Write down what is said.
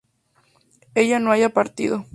ella no haya partido